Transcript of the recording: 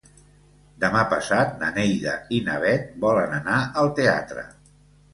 Demà passat na Neida i na Bet volen anar al teatre.